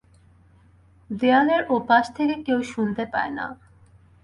দেয়ালের ও পাশ থেকে কেউ শুনতে পায় না।